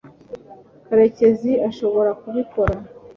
karekezi ashobora kubikora